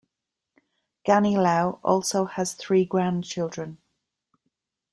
Ganilau also has three grandchildren.